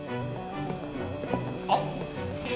・あっ。